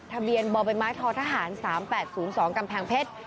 ทะเบียนบมททห๓๘๐๒กำแพงเพชร